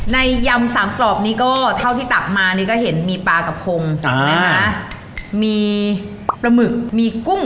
ยำสามกรอบนี้ก็เท่าที่ตักมานี่ก็เห็นมีปลากระพงนะคะมีปลาหมึกมีกุ้ง